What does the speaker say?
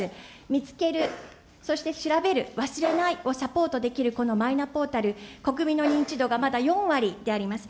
みつける、そしてしらべる、忘れないをサポートできるこのマイナポータル、国民の認知度がまだ４割であります。